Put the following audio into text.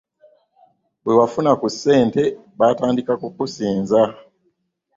Bwe wafuna ku ssente baatandika kukusinza.